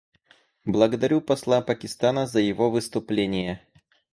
Благодарю посла Пакистана за его выступление.